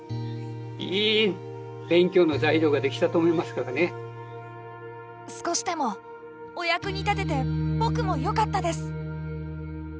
あれ見て少しでもお役に立てて僕もよかったです。